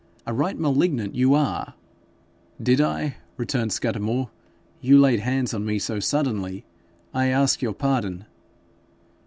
A right malignant you are !' 'Did I?' returned Scudamore. 'You laid hands on me so suddenly! I ask your pardon.'